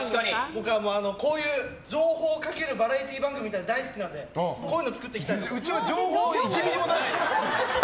僕、こういう情報かけるバラエティー番組みたいなの大好きなのでこういうのをうちは情報１ミリもないけど。